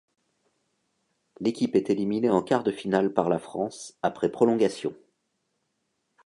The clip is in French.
L'équipe est éliminée en quart de finale par la France après prolongation.